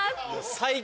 最高。